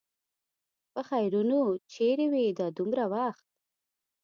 پخيرونو! چېرې وې دا دومره وخت؟